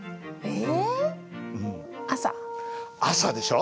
え！